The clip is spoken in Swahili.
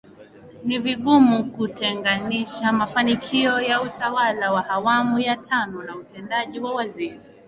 ni vigumu kutenganisha mafanikio ya utawala wa Awamu ya Tano na utendaji wa Waziri